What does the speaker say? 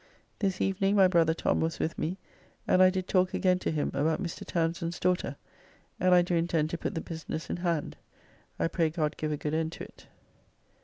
This evening my brother Tom was with me, and I did talk again to him about Mr. Townsend's daughter, and I do intend to put the business in hand. I pray God give a good end to it.